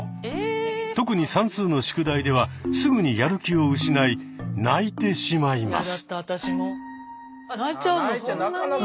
特に算数の宿題ではすぐにやる気を失い泣いてしまいます。